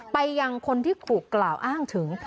ไปยังคนที่ถูกกล่าวอ้างถึง